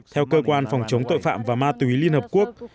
theo cơ quan phòng chống tội phạm và ma túy liên hợp quốc